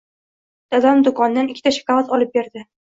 Dadam doʻkondan ikkita shokolad olib berdi.